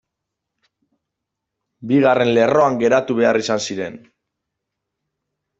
Bigarren lerroan geratu behar izan ziren.